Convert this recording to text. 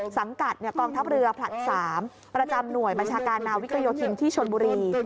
สังกัดกองทัพเรือผลัด๓ประจำหน่วยบัญชาการนาวิกโยธินที่ชนบุรี